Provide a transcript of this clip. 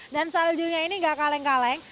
dan saljunya ini gak kaleng kaleng